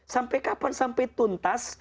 sampai kapan sampai tuntas